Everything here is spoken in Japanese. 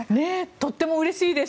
とてもうれしいです。